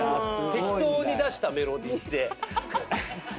適当に出したメロディーで。